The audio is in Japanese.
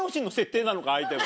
相手も。